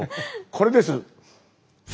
これです。